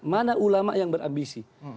mana ulama yang berambisi